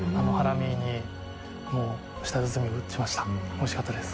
おいしかったです。